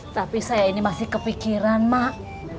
tapi saya ini masih kepikiran mak